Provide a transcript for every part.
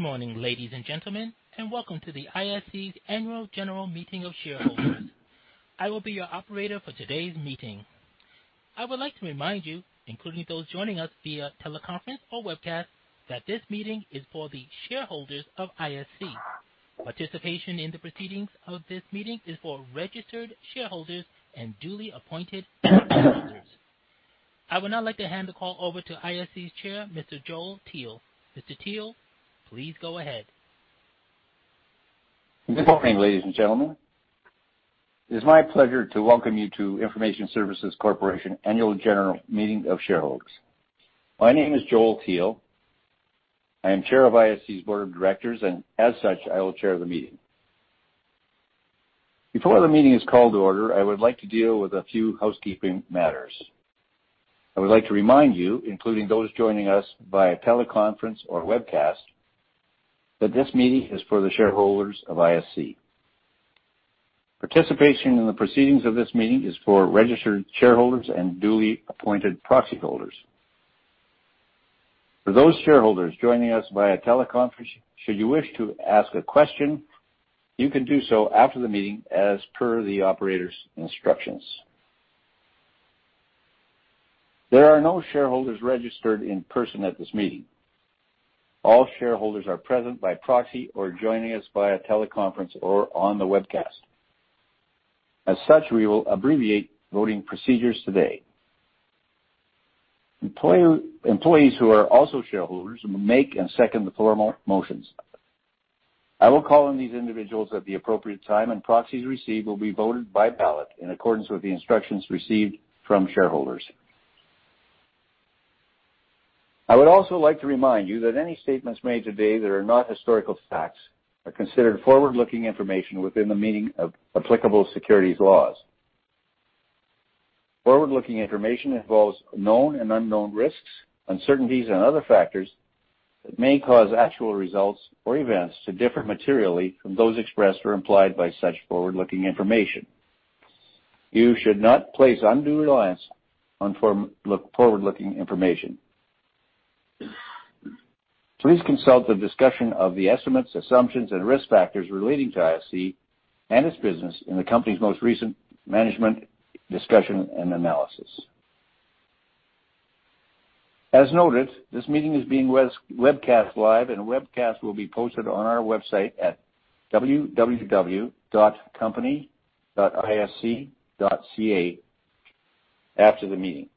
Good morning, ladies and gentlemen, and welcome to the ISC's annual general meeting of shareholders. I will be your operator for today's meeting. I would like to remind you, including those joining us via teleconference or webcast, that this meeting is for the shareholders of ISC. Participation in the proceedings of this meeting is for registered shareholders and duly appointed proxy holders. I would now like to hand the call over to ISC's chair, Mr. Joel Teal. Mr. Teal, please go ahead. Good morning, ladies and gentlemen. It is my pleasure to welcome you to Information Services Corporation Annual General Meeting of Shareholders. My name is Joel Teal. I am Chair of ISC's Board of Directors, and as such, I will chair the meeting. Before the meeting is called to order, I would like to deal with a few housekeeping matters. I would like to remind you, including those joining us via teleconference or webcast, that this meeting is for the shareholders of ISC. Participation in the proceedings of this meeting is for registered shareholders and duly appointed proxy holders. For those shareholders joining us via teleconference, should you wish to ask a question, you can do so after the meeting as per the operator's instructions. There are no shareholders registered in person at this meeting. All shareholders are present by proxy or joining us via teleconference or on the webcast. As such, we will abbreviate voting procedures today. Employees who are also shareholders will make and second the floor motions. I will call on these individuals at the appropriate time and proxies received will be voted by ballot in accordance with the instructions received from shareholders. I would also like to remind you that any statements made today that are not historical facts are considered forward-looking information within the meaning of applicable securities laws. Forward-looking information involves known and unknown risks, uncertainties, and other factors that may cause actual results or events to differ materially from those expressed or implied by such forward-looking information. You should not place undue reliance on forward-looking information. Please consult the discussion of the estimates, assumptions, and risk factors relating to ISC and its business in the company's most recent management discussion and analysis. As noted, this meeting is being webcast live, and a webcast will be posted on our website at www.company.isc.ca after the meeting.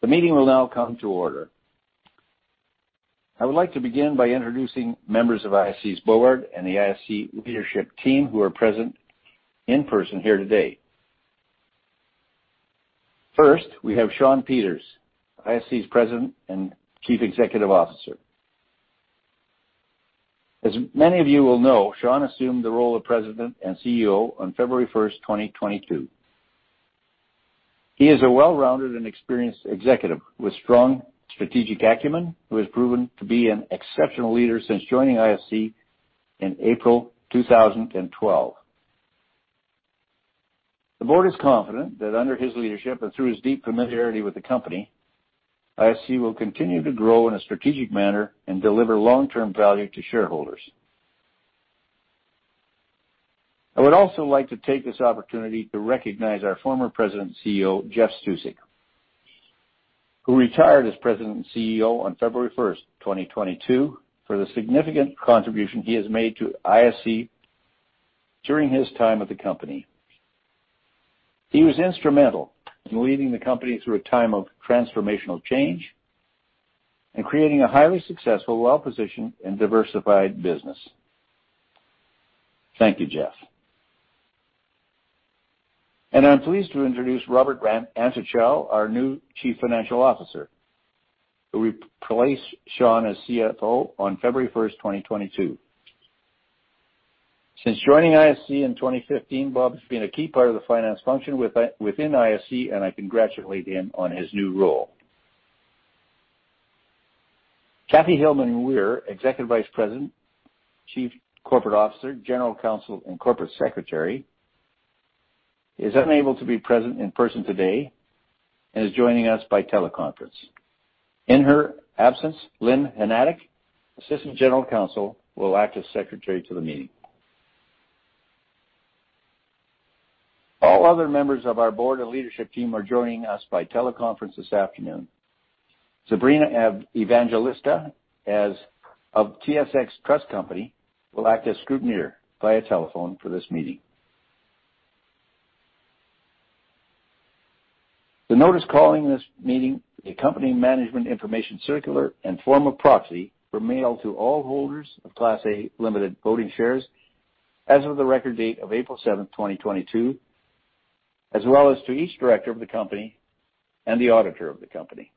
The meeting will now come to order. I would like to begin by introducing members of ISC's board and the ISC leadership team who are present in person here today. First, we have Shawn Peters, ISC's President and Chief Executive Officer. As many of you will know, Shawn assumed the role of President and CEO on February 1st, 2022. He is a well-rounded and experienced executive with strong strategic acumen who has proven to be an exceptional leader since joining ISC in April 2012. The board is confident that under his leadership and through his deep familiarity with the company, ISC will continue to grow in a strategic manner and deliver long-term value to shareholders. I would also like to take this opportunity to recognize our former President and CEO, Jeff Stusek, who retired as President and CEO on February 1st, 2022, for the significant contribution he has made to ISC during his time with the company. He was instrumental in leading the company through a time of transformational change and creating a highly successful, well-positioned, and diversified business. Thank you, Jeff. I'm pleased to introduce Robert Antochow, our new Chief Financial Officer, who replaced Sean as CFO on February 1st, 2022. Since joining ISC in 2015, Bob has been a key part of the finance function within ISC, and I congratulate him on his new role. Kathy Hillman-Weir, Executive Vice President, Chief Corporate Officer, General Counsel, and Corporate Secretary, is unable to be present in person today and is joining us by teleconference. In her absence, Lynn Hnatick, Assistant General Counsel, will act as secretary to the meeting. All other members of our board and leadership team are joining us by teleconference this afternoon. Zabrina Garcia-Evangelista of TSX Trust Company will act as scrutineer via telephone for this meeting. The notice calling this meeting, the company management information circular, and form of proxy were mailed to all holders of Class A Limited Voting Shares as of the record date of April 7th, 2022, as well as to each director of the company and the auditor of the company.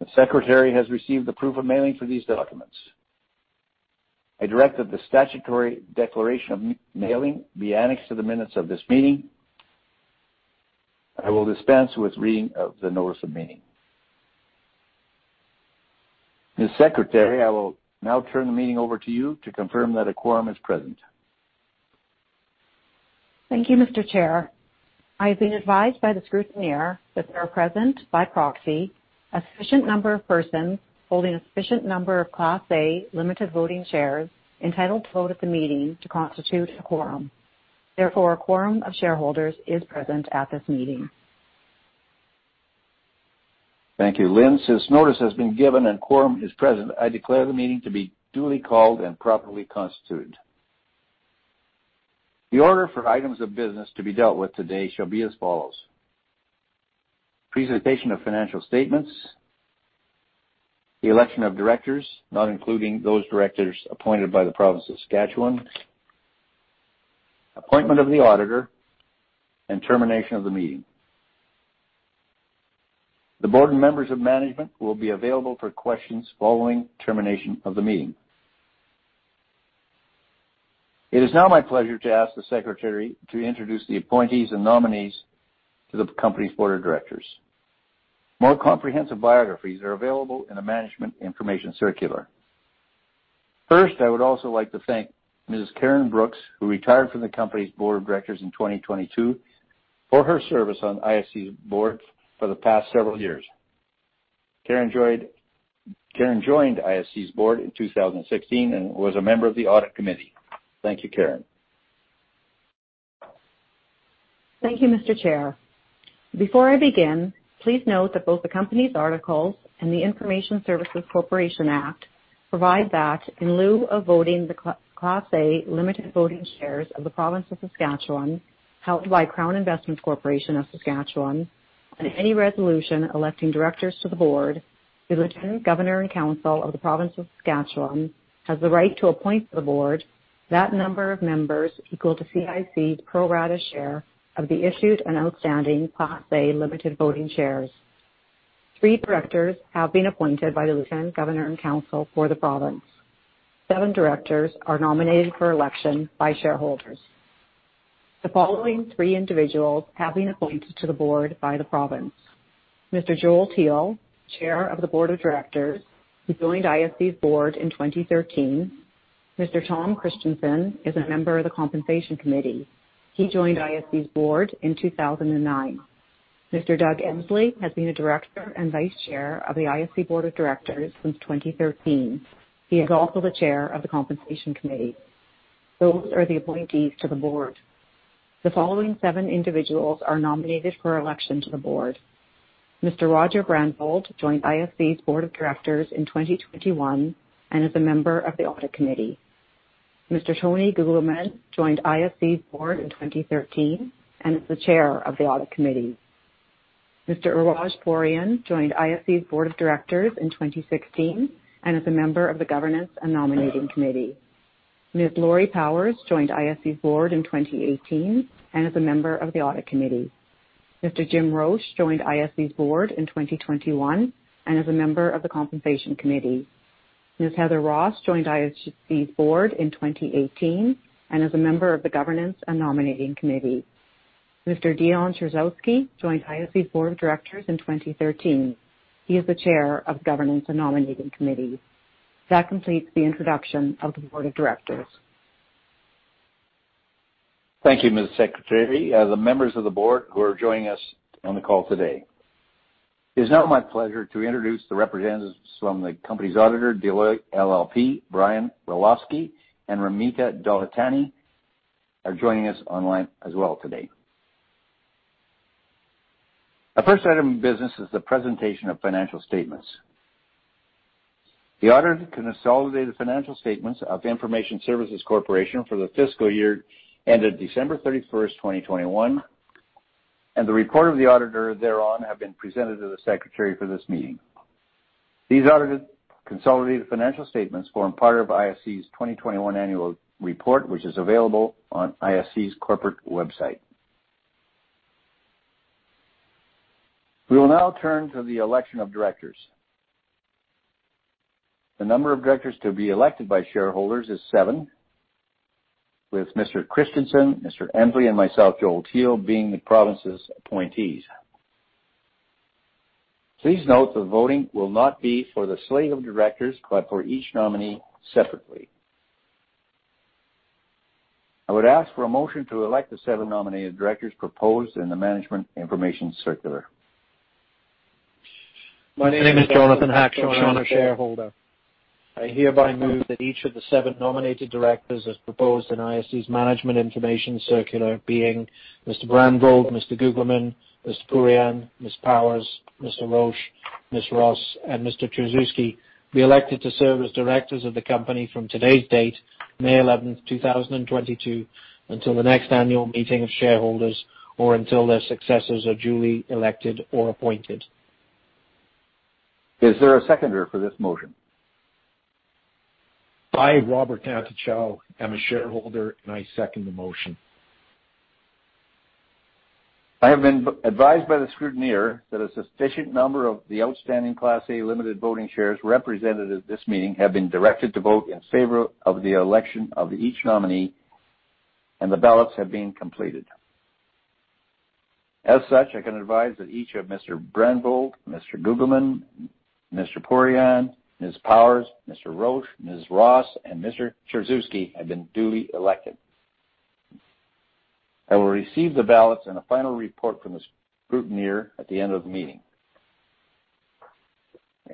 The secretary has received the proof of mailing for these documents. I direct that the statutory declaration of mailing be annexed to the minutes of this meeting. I will dispense with reading of the notice of meeting. Ms. Secretary, I will now turn the meeting over to you to confirm that a quorum is present. Thank you, Mr. Chair. I have been advised by the scrutineer that there are present by proxy a sufficient number of persons holding a sufficient number of Class A Limited Voting Shares entitled to vote at the meeting to constitute a quorum. Therefore, a quorum of shareholders is present at this meeting. Thank you, Lynn. Since notice has been given and quorum is present, I declare the meeting to be duly called and properly constituted. The order for items of business to be dealt with today shall be as follows. Presentation of financial statements, the election of directors, not including those directors appointed by the Province of Saskatchewan, appointment of the auditor, and termination of the meeting. The board and members of management will be available for questions following termination of the meeting. It is now my pleasure to ask the secretary to introduce the appointees and nominees to the company's board of directors. More comprehensive biographies are available in the management information circular. First, I would also like to thank Ms. Karyn Brooks, who retired from the company's board of directors in 2022 for her service on ISC's board for the past several years. Karyn joined ISC's board in 2016 and was a member of the audit committee. Thank you, Karyn. Thank you, Mr. Chair. Before I begin, please note that both the company's articles and the Information Services Corporation Act provide that in lieu of voting the Class A Limited Voting Shares of the province of Saskatchewan, held by Crown Investments Corporation of Saskatchewan on any resolution electing directors to the board, the Lieutenant Governor In Council of the province of Saskatchewan has the right to appoint to the board that number of members equal to CIC's pro rata share of the issued and outstanding Class A Limited Voting Shares. Three directors have been appointed by the Lieutenant Governor In Council for the province. Seven directors are nominated for election by shareholders. The following three individuals have been appointed to the board by the province. Mr. Joel Teal, Chair of the Board of Directors. He joined ISC's board in 2013. Mr. Tom Christensen is a member of the Compensation Committee. He joined ISC's board in 2009. Mr. Doug Emsley has been a director and Vice Chair of the ISC board of directors since 2013. He is also the chair of the Compensation Committee. Those are the appointees to the board. The following seven individuals are nominated for election to the board. Mr. Roger Brandvold joined ISC's board of directors in 2021 and is a member of the Audit Committee. Mr. Tony Guglielmin joined ISC's board in 2013 and is the chair of the Audit Committee. Mr. Iraj Pourian joined ISC's board of directors in 2016 and is a member of the Governance and Nominating Committee. Ms. Laurie Powers joined ISC's board in 2018 and is a member of the Audit Committee. Mr. Jim Roche joined ISC's Board in 2021 and is a member of the Compensation Committee. Ms. Heather Ross joined ISC's Board in 2018 and is a member of the Governance and Nominating Committee. Mr. Dion Tchorzewski joined ISC's Board of Directors in 2013. He is the chair of the Governance and Nominating Committee. That completes the introduction of the Board of Directors. Thank you, Ms. Secretary. The members of the board who are joining us on the call today. It is now my pleasure to introduce the representatives from the company's auditor, Deloitte LLP. Brian Ralofsky and Ramika Daulani are joining us online as well today. Our first item of business is the presentation of financial statements. The auditor consolidated financial statements of Information Services Corporation for the fiscal year ended December 31st, 2021, and the report of the auditor thereon have been presented to the secretary for this meeting. These audited consolidated financial statements form part of ISC's 2021 annual report, which is available on ISC's corporate website. We will now turn to the election of directors. The number of directors to be elected by shareholders is seven, with Mr. Christiansen, Mr. Emsley, and myself, Joel Teal, being the province's appointees. Please note the voting will not be for the slate of directors, but for each nominee separately. I would ask for a motion to elect the seven nominated directors proposed in the management information circular. My name is Jonathan Hackshaw, and I'm a shareholder. I hereby move that each of the seven nominated directors, as proposed in ISC's Management Information Circular, being Mr. Brandvold, Mr. Guglielmin, Mr. Pourian, Ms. Powers, Mr. Roche, Ms. Ross, and Mr. Tchorzewski, be elected to serve as directors of the company from today's date, May 11th, 2022, until the next annual meeting of shareholders, or until their successors are duly elected or appointed. Is there a seconder for this motion? I, Robert Antochow, am a shareholder, and I second the motion. I have been advised by the scrutineer that a sufficient number of the outstanding Class A Limited Voting Shares represented at this meeting have been directed to vote in favor of the election of each nominee, and the ballots have been completed. As such, I can advise that each of Mr. Brandvold, Mr. Guglielmin, Mr. Pourian, Ms. Powers, Mr. Roche, Ms. Ross, and Mr. Tchorzewski have been duly elected. I will receive the ballots and a final report from the scrutineer at the end of the meeting.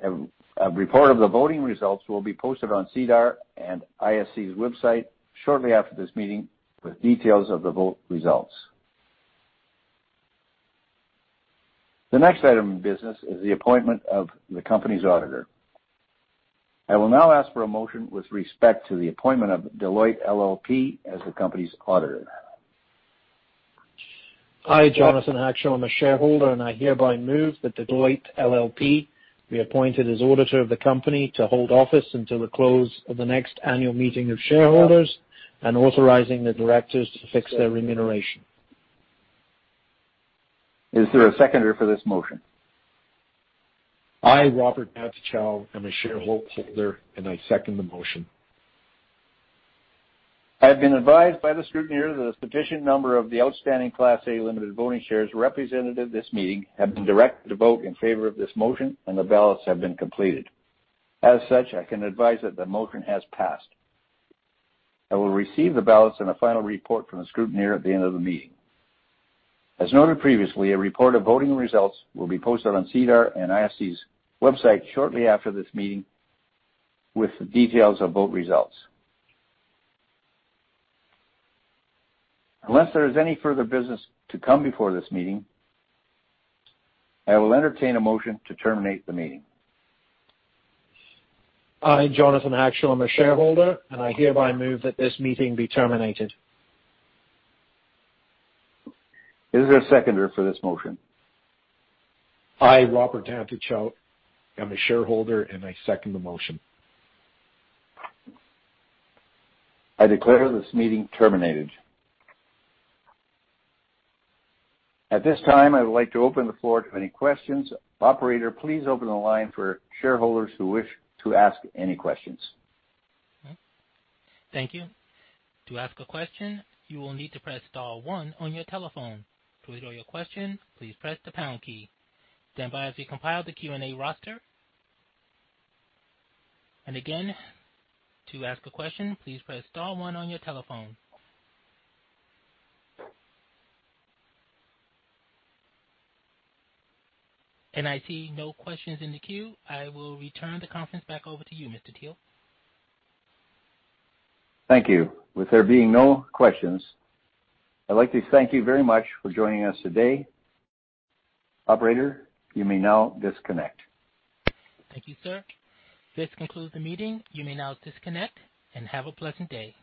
A report of the voting results will be posted on SEDAR and ISC's website shortly after this meeting with details of the vote results. The next item of business is the appointment of the company's auditor. I will now ask for a motion with respect to the appointment of Deloitte LLP as the company's auditor. I, Jonathan Hackshaw, I'm a shareholder, and I hereby move that Deloitte LLP be appointed as auditor of the company to hold office until the close of the next annual meeting of shareholders and authorizing the directors to fix their remuneration. Is there a seconder for this motion? I, Robert Antochow, am a shareholder, and I second the motion. I have been advised by the scrutineer that a sufficient number of the outstanding Class A Limited Voting Shares represented at this meeting have been directed to vote in favor of this motion, and the ballots have been completed. As such, I can advise that the motion has passed. I will receive the ballots and a final report from the scrutineer at the end of the meeting. As noted previously, a report of voting results will be posted on SEDAR and ISC's website shortly after this meeting with the details of vote results. Unless there is any further business to come before this meeting, I will entertain a motion to terminate the meeting. I, Jonathan Hackshaw, I'm a shareholder, and I hereby move that this meeting be terminated. Is there a seconder for this motion? I, Robert Antochow, am a shareholder, and I second the motion. I declare this meeting terminated. At this time, I would like to open the floor to any questions. Operator, please open the line for shareholders who wish to ask any questions. Thank you. To ask a question, you will need to press star one on your telephone. To withdraw your question, please press the pound key. Stand by as we compile the Q&A roster. Again, to ask a question, please press star one on your telephone. I see no questions in the queue. I will return the conference back over to you, Mr. Teal. Thank you. With there being no questions, I'd like to thank you very much for joining us today. Operator, you may now disconnect. Thank you, sir. This concludes the meeting. You may now disconnect and have a pleasant day.